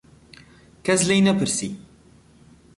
کەس لێی نەپرسی.